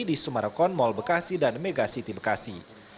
di sumarakon mall bekasi dan mega city bekasi